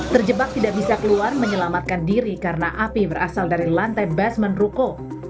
terjebak tidak bisa keluar menyelamatkan diri karena api berasal dari lantai basement ruko